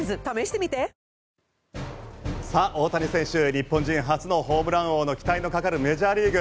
日本人初のホームラン王の期待のかかるメジャーリーグ。